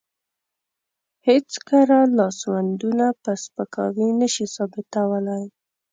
هېڅ کره لاسوندونه په سپکاوي نشي ثابتولی.